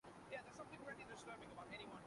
واقعہ یہ ہے کہ ملک کو درپیش بعض مسائل ایسے ہیں۔